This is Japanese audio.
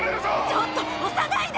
ちょっと押さないで！